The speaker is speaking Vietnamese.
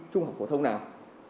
trung học phổ thông nào